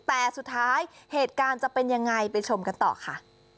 แต่สุดท้ายเหตุการณ์จะเป็นยังไงไปชมกันต่อค่ะ